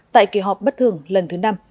tại kỳ họp bất thường lần thứ năm